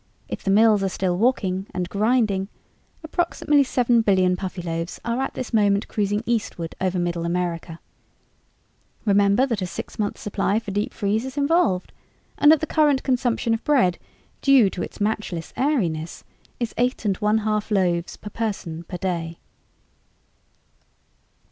If the mills are still walking and grinding, approximately seven billion Puffyloaves are at this moment cruising eastward over Middle America. Remember that a six month supply for deep freeze is involved and that the current consumption of bread, due to its matchless airiness, is eight and one half loaves per person per day."